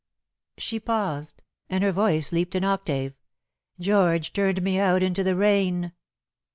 She paused, and her voice leaped an octave. "George turned me out into the rain."